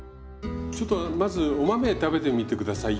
ちょっとまずお豆食べてみて下さい。